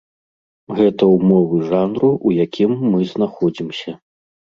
Гэта ўмовы жанру, у якім мы знаходзімся.